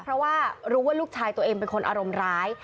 เพราะว่ารู้ว่าลูกชายตัวเองเป็นคนอารมณ์ร้าย